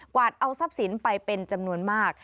วาดเอาทรัพย์สินไปเป็นจำนวนมาก